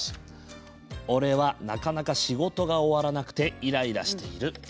俺はなかなか仕事が終わらなくてイライラしている。